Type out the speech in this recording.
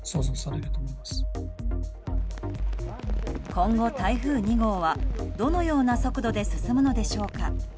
今後、台風２号はどのような速度で進むのでしょうか。